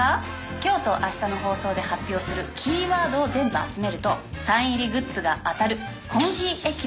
今日と明日の放送で発表するキーワードを全部集めるとサイン入りグッズが当たる。